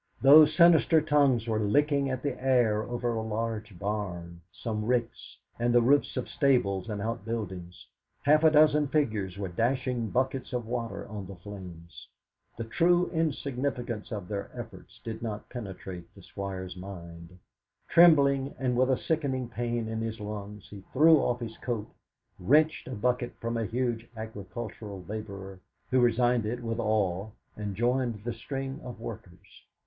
Those sinister tongues were licking at the air over a large barn, some ricks, and the roofs of stables and outbuildings. Half a dozen figures were dashing buckets of water on the flames. The true insignificance of their efforts did not penetrate the Squire's mind. Trembling, and with a sickening pain in his lungs, he threw off his coat, wrenched a bucket from a huge agricultural labourer, who resigned it with awe, and joined the string of workers.